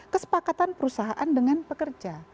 kesepakatan perusahaan dengan pekerja